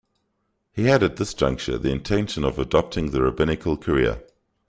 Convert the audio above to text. He had at this juncture the intention of adopting the rabbinical career.